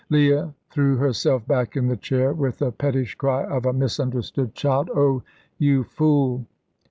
Leah threw herself back in the chair with the pettish cry of a misunderstood child. "Oh, you fool!"